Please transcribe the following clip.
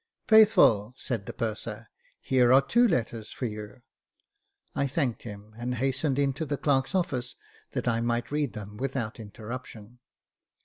*' Faithful," said the purser, " here are two letters for you." I thanked him, and hastened into the clerk's office that I might read them without interruption.